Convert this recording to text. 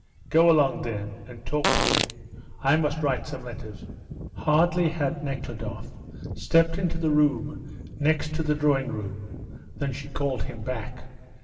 "Go along, then, and talk to him. I must write some letters." Hardly had Nekhludoff stepped into the room next the drawing room than she called him back.